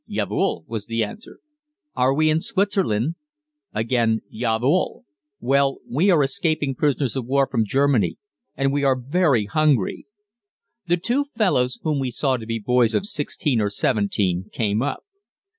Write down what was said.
"Jawohl" was the answer. "Are we in Switzerland?" Again, "Jawohl." "Well, we are escaping prisoners of war from Germany and we are very hungry." The two fellows, whom we saw to be boys of sixteen or seventeen, came up.